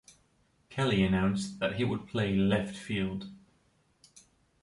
Kelley announced that he would play left field.